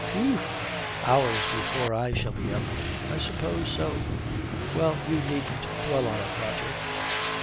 'Phew! Hours before I shall be up.' 'I suppose so.' 'Well, you needn't dwell on it, Roger.'